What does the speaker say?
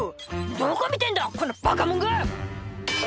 「どこ見てんだこのバカ者が」